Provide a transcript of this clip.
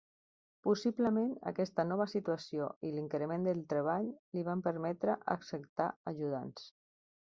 Possiblement aquesta nova situació i l'increment del treball li van permetre acceptar ajudants.